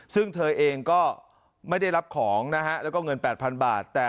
ซึ่งเธอเองก็ไม่ได้รับของนะฮะแล้วก็เงิน๘๐๐๐บาท